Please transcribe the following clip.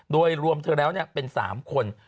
โดยรวมเธอแล้วเป็น๓คน